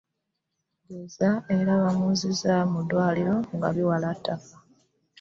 Genza era baamuzzizzaayo mu ddwaliro nga biwala ttaka.